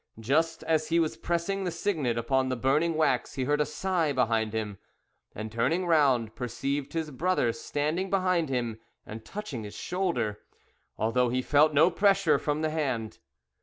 Just as he was pressing the signet upon the burning wax he heard a sigh behind him, and, turning round, perceived his brother standing behind him, and touching his shoulder, although he felt no pressure from the hand.